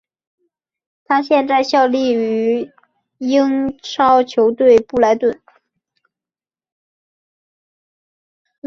他现在效力于英超球队布莱顿。